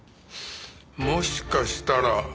もしかしたら。